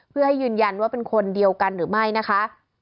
เพื่อให้ยืนยันว่าเป็นคนเดียวกันหรือไม่นะคะ